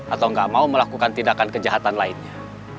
atau nggak mau melakukan tindakan kejahatan lainnya